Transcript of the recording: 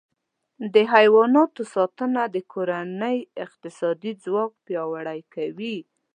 د حیواناتو ساتنه د کورنۍ اقتصادي ځواک پیاوړی کوي.